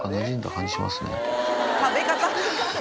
食べ方。